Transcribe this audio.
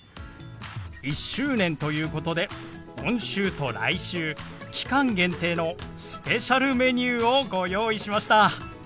１周年ということで今週と来週期間限定のスペシャルメニューをご用意しました。